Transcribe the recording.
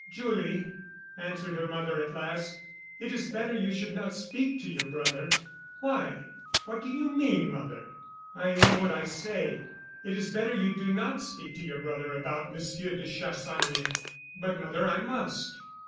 "Julie," answered her mother at last, "it is better you should not speak to your brother." "Why, what do you mean, mother?" "I mean what I say, it is better you do not speak to your brother about Monsieur de Chassagne." "But, mother, I must!"